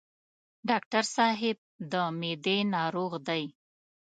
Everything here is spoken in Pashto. ډاکټر صاحب د معدې ناروغ دی.